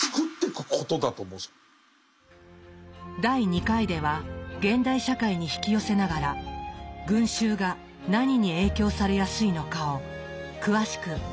第２回では現代社会に引き寄せながら群衆が何に影響されやすいのかを詳しく読み解いていきます。